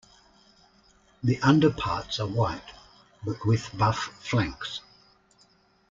The underparts are white, but with buff flanks.